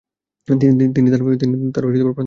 তিনি তার প্রাণদন্ড দিয়েছিলেন।